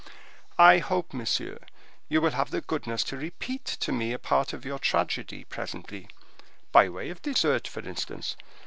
I hope, monsieur, you will have the goodness to repeat to me a part of your tragedy presently, by way of dessert, for instance.